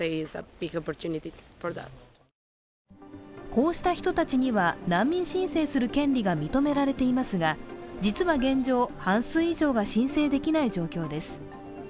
こうした人たちには難民申請する権利が認められていますが実は現状、半数以上が申請できない状況です。